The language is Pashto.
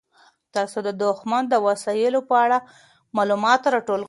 تاسو د دښمن د وسلو په اړه معلومات راټول کړئ.